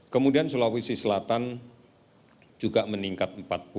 kemudian sulawesi selatan juga meningkat empat puluh